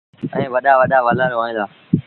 ائيٚݩ وڏآ وڏآ ولر هوئين دآ۔